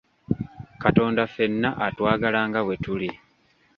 Katonda ffenna atwagala nga bwe tuli.